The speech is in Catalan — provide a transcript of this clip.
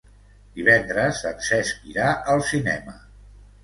Divendres en Cesc irà al cinema.